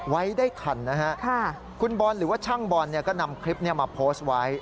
ไว้ได้ทันนะฮะคุณบอลหรือว่าช่างบอลเนี่ยก็นำคลิปนี้มาโพสต์ไว้